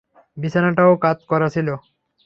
বিছানাটাও কাত করা ছিল।